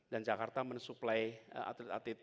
dan jakarta mensuplai atlet atlet yang sangat baik